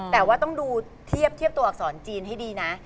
แต่ว่าต้องดูเทียบตัวอักษรจีนให้ดีนะ